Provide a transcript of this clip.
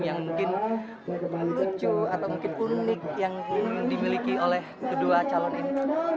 yang mungkin lucu atau mungkin unik yang dimiliki oleh kedua calon ini